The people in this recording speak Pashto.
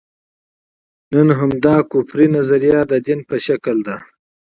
نن همدا کفري نظریه د دین په څېر ده.